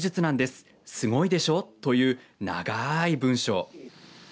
すごいでしょという長い文章。